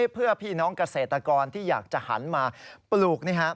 เพื่อพี่น้องเกษตรกรที่อยากจะหันมาปลูก